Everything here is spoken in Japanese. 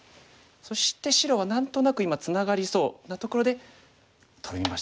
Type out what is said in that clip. そして白は何となく今ツナがりそうなところでトビました。